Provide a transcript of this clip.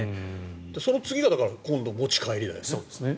その次が今度、持ち帰りだよね。